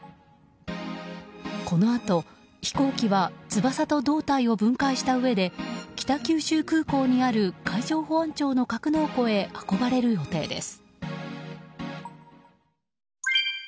このあと、飛行機は翼と胴体を分解したうえで北九州空港にある海上保安庁の格納庫へ運ばれる予定です。